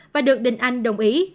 và được đình anh đồng ý